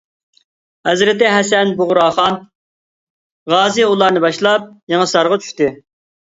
ھەزرىتى ھەسەن بۇغراخان غازى ئۇلارنى باشلاپ يېڭىسارغا چۈشتى.